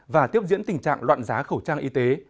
và tiếp diễn tình trạng loạn giá khẩu trang y tế